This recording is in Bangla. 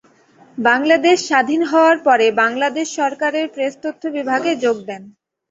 বাংলাদেশ স্বাধীন হওয়ার পরে বাংলাদেশ সরকারের প্রেস তথ্য বিভাগে যোগ দেন।